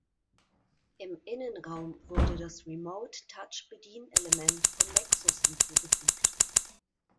Im Innenraum wurde das Remote-Touch-Bedienelement von Lexus hinzugefügt.